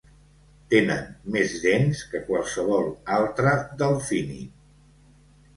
Tenen més dents que qualsevol altre delfínid.